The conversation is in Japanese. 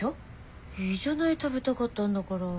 いいじゃない食べたかったんだから。